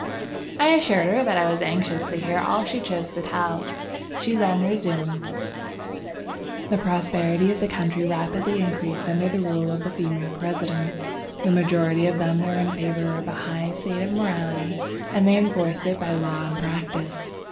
I assured her that I was anxious to hear all she chose to tell. She then resumed: "The prosperity of the country rapidly increased under the rule of the female Presidents. The majority of them were in favor of a high state of morality, and they enforced it by law and practice.